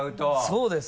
そうです。